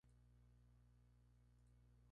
Es la frontera oriental polaca más larga.